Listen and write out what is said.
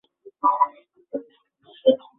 আচ্ছা, আমি আর কথা বলব না।